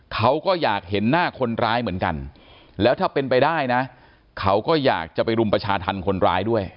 เขาก็อยากเห็นหน้าคนร้ายเหมือนกันแล้วถ้าเป็นไปได้นะเขาก็อยากจะไปรุมประชาธรรมคนร้ายด้วย